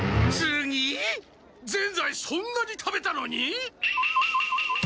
ぜんざいそんなに食べたのに？